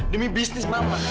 demi bisnis mama